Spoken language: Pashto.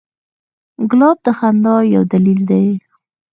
ګلاب د خندا یو دلیل دی.